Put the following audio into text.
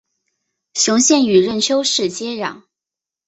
雄县与任丘市接壤。